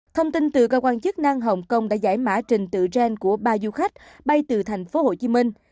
thông tin từ cơ quan chức năng hồng kông đã giải mã trình tự gen của ba du khách bay từ thành phố hồ chí minh